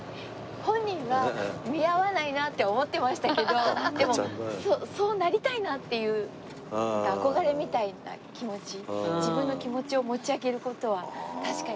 本人は似合わないなって思ってましたけどでもそうなりたいなっていう憧れみたいな気持ち自分の気持ちを持ち上げる事は確かに。